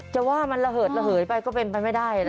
จะว่ามันระเหิดระเหยไปก็เป็นไปไม่ได้